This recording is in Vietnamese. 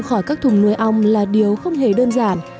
khỏi các thùng nuôi ong là điều không hề đơn giản